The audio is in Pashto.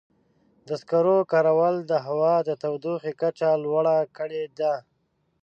د سکرو کارول د هوا د تودوخې کچه لوړه کړې ده.